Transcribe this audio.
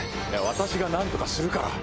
私が何とかするから。